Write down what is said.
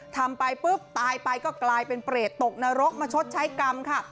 ทำไปปุ๊บตายไปก็กลายเป็นเปรตตกนรกมาชดใช้กรรมค่ะ